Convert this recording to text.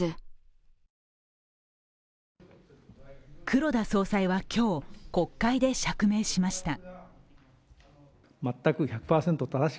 黒田総裁は今日、国会で釈明しました。